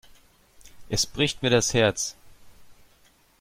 Es bricht mir das Herz.